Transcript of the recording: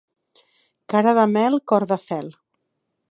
Cara de mel, cor de fel.